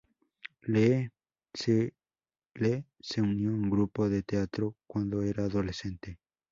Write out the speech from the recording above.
Lee se unió a un grupo de teatro cuando era adolescente.